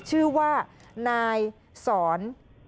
ชื่อว่านายสอน